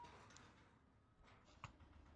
Zein da zure esaldi gustukoena?